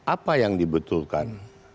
apa yang dibetulkan